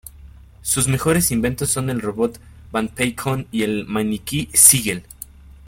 Sus mejores inventos son el robot Banpei-kun y el maniquí Sigel.